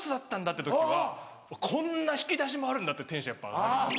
って時は「こんな引き出しもあるんだ！」ってテンションやっぱ上がります。